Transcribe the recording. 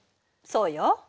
そうよ。